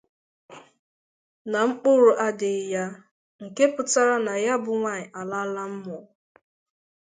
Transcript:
nà mkpụrụ adịghị ya —nke pụtara na ya bụ nwaanyị alaala mmụọ.